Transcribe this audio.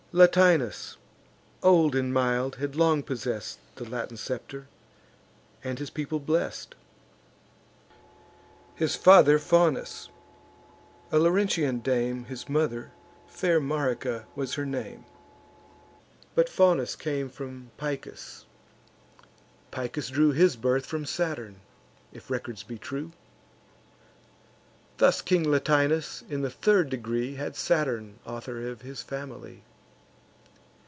Latinus, old and mild, had long possess'd The Latin scepter, and his people blest: His father Faunus; a Laurentian dame His mother; fair Marica was her name. But Faunus came from Picus: Picus drew His birth from Saturn, if records be true. Thus King Latinus, in the third degree, Had Saturn author of his family.